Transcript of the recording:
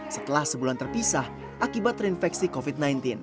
setelah sebulan terpisah akibat terinfeksi covid sembilan belas